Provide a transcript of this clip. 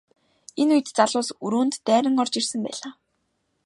Энэ үед залуус өрөөнд дайран орж ирсэн байлаа.